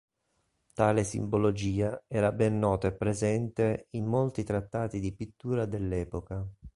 Tale simbologia era ben nota e presente in molti trattati di pittura dell'epoca.